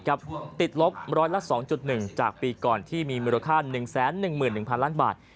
กับติดลบ๑๐๒๑จากปีก่อนที่มีมิโรคค่า๑๑๑๐๐๐ล้านบาท